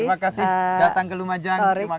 terima kasih datang ke lumajang